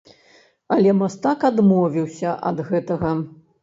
Але мастак адмовіўся ад гэтага.